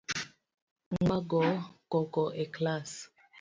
Ng’ama go koko e klass